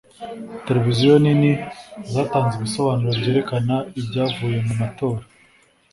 Televiziyo nini zatanze ibisobanuro byerekana ibyavuye mu matora .